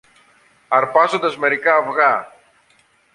αρπάζοντας μερικά αυγά